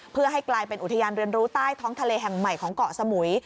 เพื่อให้กลายเป็นอุทยานเรียนรู้ใต้ท้องทะเลแห่งใหม่ของเกาะสมุย